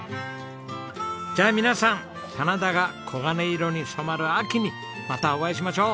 じゃあ皆さん棚田が黄金色に染まる秋にまたお会いしましょう。